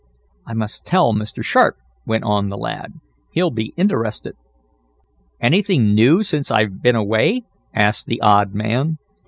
"I must tell Mr. Sharp," went on the lad. "He'll be interested." "Anything new since I've been away?" asked the odd man.